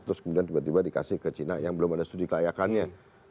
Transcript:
terus kemudian tiba tiba dikasih ke cina yang belum ada studi kelayakannya